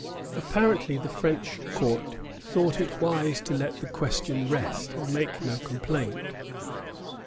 " Apparently the French court thought it wise to let the question rest, and make no complaint.